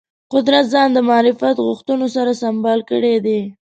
قدرت ځان د معرفت غوښتنو سره سمبال کړی دی